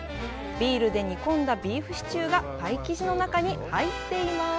ビールで煮込んだビーフシチューがパイ生地の中に入っています。